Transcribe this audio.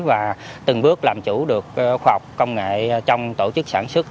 và từng bước làm chủ được khoa học công nghệ trong tổ chức sản xuất